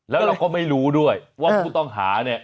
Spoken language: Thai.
แล้วเราก็ไม่รู้ด้วยว่าผู้ต้องหาเนี่ย